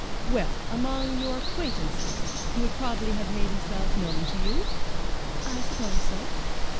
"Well, among your acquaintances he would probably have made himself known to you?" "I suppose so."